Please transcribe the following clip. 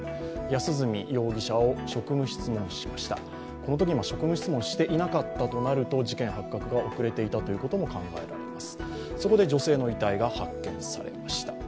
このとき職務質問をしていなかったとなると事件発覚が遅れていたということも考えられます。